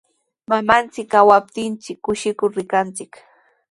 Mamanchik kawaptin kushikur rikanchik.